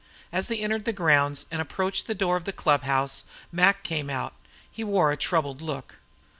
As they entered the grounds and approached the door of the club house Mac came out. He wore a troubled look.